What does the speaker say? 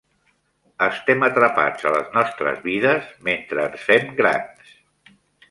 Estem atrapats a les nostres vides mentre ens fem grans.